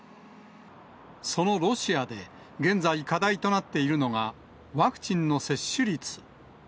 そのロシアで現在、課題となっているのがワクチンの接種率。